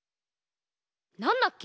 なんだっけ？